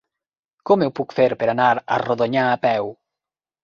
Com ho puc fer per anar a Rodonyà a peu?